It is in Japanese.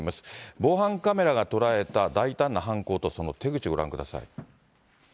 防犯カメラが捉えた大胆な犯行とその手口、ご覧ください。